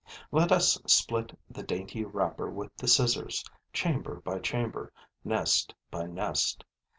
Let us split the dainty wrapper with the scissors, chamber by chamber, nest by nest.